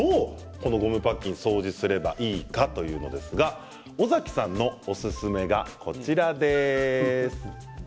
このゴムパッキンどう掃除すればいいか尾崎さんのおすすめがこちらです。